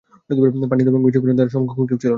পাণ্ডিত্য এবং বিচক্ষণতায় তার সমকক্ষ কেউ ছিল না।